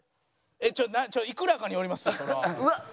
いくらかによりますよそれは。